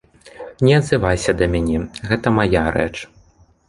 Не адзывайся да мяне, гэта мая рэч.